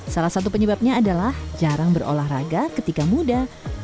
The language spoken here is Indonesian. salah satu penyebabnya adalah jarang berolahraga ketika muda